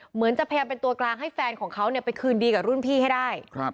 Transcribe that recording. เหมือนจะพยายามเป็นตัวกลางให้แฟนของเขาไปคืนดีกับรุ่นพี่ให้ได้